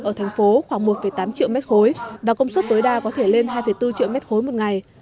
ở thành phố khoảng một tám triệu mét khối và công suất tối đa có thể lên hai bốn triệu m ba một ngày